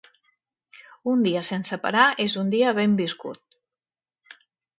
Un dia sense parar, és un dia ben viscut.